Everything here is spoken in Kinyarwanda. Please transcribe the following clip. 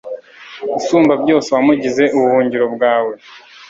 Usumbabyose wamugize ubuhungiro bwawe